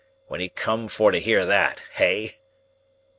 —when he come for to hear that—hey?"